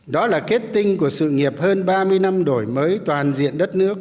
đó là kết tinh của sự nghiệp hơn ba mươi năm đổi mới toàn diện đất nước